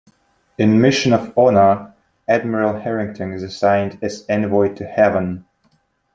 In "Mission of Honor", Admiral Harrington is assigned as envoy to Haven.